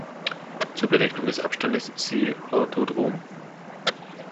Zur Berechnung des Abstandes siehe Orthodrome.